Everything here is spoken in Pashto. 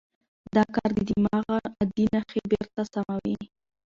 دا کار د دماغ عادي نښې بېرته سموي.